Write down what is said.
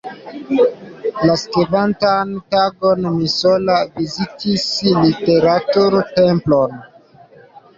La sekvantan tagon mi sola vizitis Literatur-Templon.